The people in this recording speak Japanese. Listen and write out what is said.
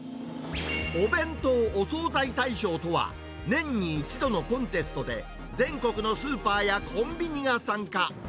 お弁当・お惣菜大賞とは、年に１度のコンテストで、全国のスーパーやコンビニが参加。